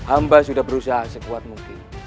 amba sudah berusaha sekuat mungkin